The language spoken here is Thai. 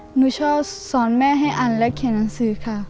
หนูชอบสอนแม่ให้อ่านและเขียนหนังสือค่ะ